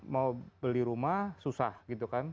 mau beli rumah susah gitu kan